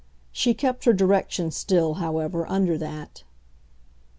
She kept her direction still, however, under that.